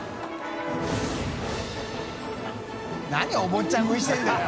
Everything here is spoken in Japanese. お坊ちゃん食いしてるんだよ！